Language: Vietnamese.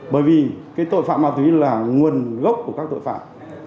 bởi vì cái tội phạm ma túy là nguồn gốc của các tội phạm